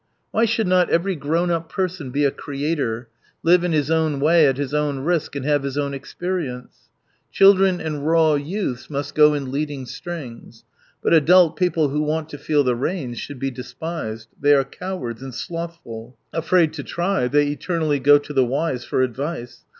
Why should not every grown up person be a creator, live in his own way at his own risk and have his own experience ? Children and raw youths must go in leading strings. But adult people who want to feel the reins should be despised. They are cowards, and slothful : afraid to try, they ^eternally go to the wise for advice.